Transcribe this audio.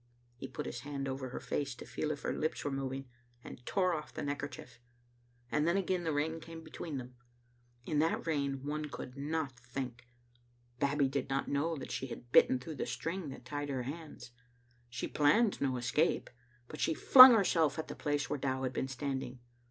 He put his hand over her face, to feel if her lips were moving, and tore ofif the neckerchief. And then again the rain came between them. In Digitized by VjOOQ IC tCbe Mgbt 6t augudt if outtb. 8d9 that fain one could not think. Babbie did not know that she had bitten through the string that tied her hands. She planned no escape. But she flung herself at the place where Dow had been standing.